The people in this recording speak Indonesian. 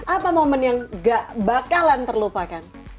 apa momen yang gak bakalan terlupakan